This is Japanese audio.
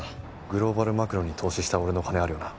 グローバルマクロに投資した俺の金あるよな？